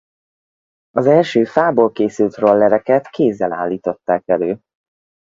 Az első fából készült rollereket kézzel állították elő.